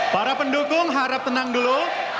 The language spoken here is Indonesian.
para pendukung harap tenang dulu